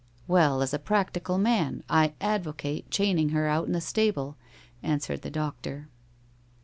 "Well, as a practical man, I advocate chaining her out in the stable," answered the doctor.